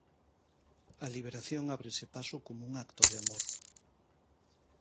A liberación ábrese paso como un acto de amor.